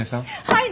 はい。